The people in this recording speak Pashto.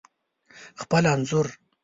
خپل انځور